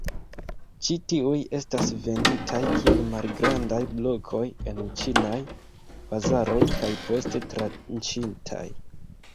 Ĉi tiuj estas venditaj kiel malgrandaj blokoj en ĉinaj bazaroj kaj poste tranĉitaj.